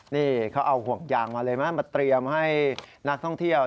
นี่เขาเอาห่วงยางมาเลยไหมมาเตรียมให้นักท่องเที่ยว